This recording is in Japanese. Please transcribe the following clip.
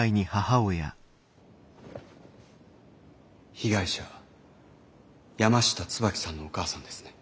被害者山下椿さんのお母さんですね？